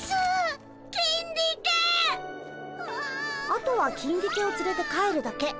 あとはキンディケをつれて帰るだけ。